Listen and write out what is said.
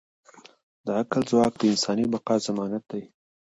د عقل ځواک د انساني بقا ضمانت دی.